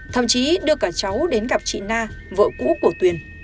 thậm chí đưa cả cháu đến gặp chị na vợ cũ của tuyền